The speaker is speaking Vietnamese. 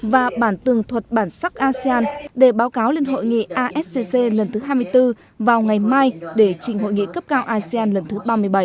và bản tường thuật bản sắc asean để báo cáo lên hội nghị ascc lần thứ hai mươi bốn vào ngày mai để trình hội nghị cấp cao asean lần thứ ba mươi bảy